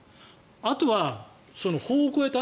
あとは法を超えた